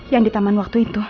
yang di taman waktu itu